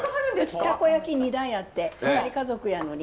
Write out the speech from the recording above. うちたこ焼き２台あって２人家族やのに。